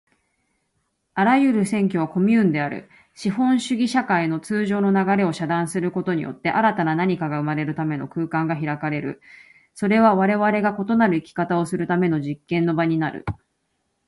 あらゆる占拠はコミューンである。資本主義社会の通常の流れを遮断することによって、新たな何かが生まれるための空間が開かれる。それはわれわれが異なる生き方をするための実験の場になる。